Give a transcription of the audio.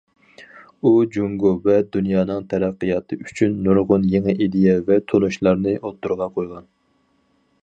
ئۇ جۇڭگو ۋە دۇنيانىڭ تەرەققىياتى ئۈچۈن نۇرغۇن يېڭى ئىدىيە ۋە تونۇشلارنى ئوتتۇرىغا قويغان.